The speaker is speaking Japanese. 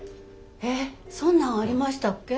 えっそんなんありましたっけ？